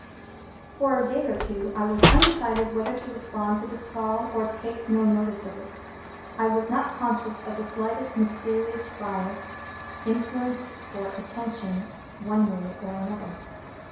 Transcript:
For a day or two I was undecided whether to respond to this call, or take no notice of it. I was not conscious of the slightest mysterious bias, influence, or attraction, one way or other.